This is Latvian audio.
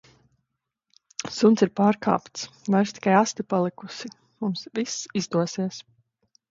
Suns ir pārkāpts, vairs tik aste palikusi. Mums viss izdosies!